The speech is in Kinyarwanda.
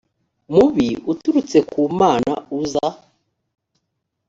mubi uturutse ku mana uza